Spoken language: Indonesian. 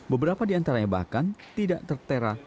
beberapa di antaranya bahkan tidak tertera